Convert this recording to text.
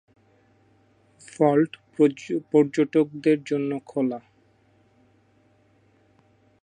Vault পর্যটকদের জন্য খোলা।